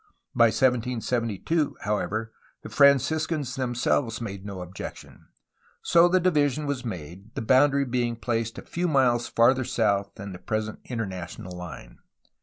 By 1772, however, the Franciscans themselves made no objection; so the division was made, the boundary being placed a few miles farther south than the present international Hne.